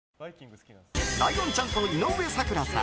ライオンちゃんと井上咲楽さん